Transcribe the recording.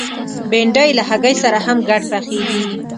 بېنډۍ له هګۍ سره هم ګډ پخېږي